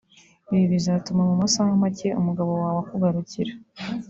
Ibi bizatuma mu masaha make umugabo wawe akugarukira